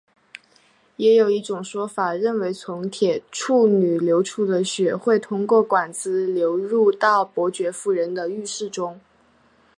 也有一种说法认为从铁处女流出的血会通过管子流入到伯爵夫人的浴室中。